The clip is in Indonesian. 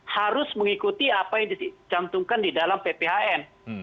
harus mengikuti apa yang dicantumkan di dalam pphn